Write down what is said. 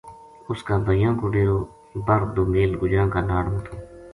اس کا بھائیاں کو ڈیرو بر دومیل گجران کا ناڑ ما تھو